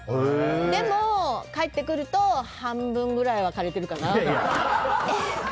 でも、帰ってくると半分ぐらいやってないのかな？